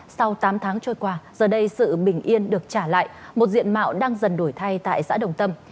sau tám tháng trôi qua giờ đây sự bình yên được trả lại một diện mạo đang dần đổi thay tại xã đồng tâm